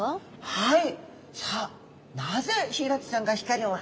はい。